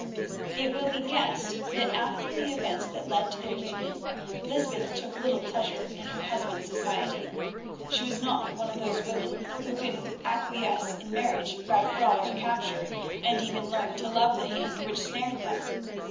It will be guessed that after the events that led to their union Lysbeth took little pleasure in her husband's society. She was not one of those women who can acquiesce in marriage by fraud or capture, and even learn to love the hand which snared them.